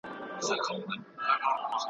که غاښونه پاک وي نو درد نه کوي.